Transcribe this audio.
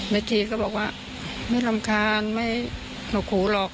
ทีก็บอกว่าไม่รำคาญไม่หนกหูหรอก